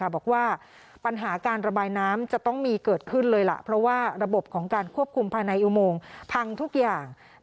บอกว่าปัญหาการระบายน้ำจะต้องมีเกิดขึ้นเลยล่ะเพราะว่าระบบของการควบคุมภายในอุโมงพังทุกอย่าง